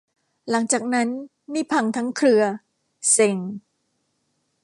หลังจากนั้นนี่พังทั้งเครือ เซ็ง